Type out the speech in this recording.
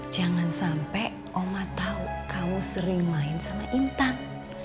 jangan sampai oma tahu kau sering main sama intan